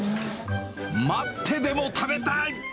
待ってでも食べたい！